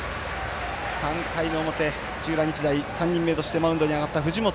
３回の表、土浦日大３人目としてマウンドに上がった藤本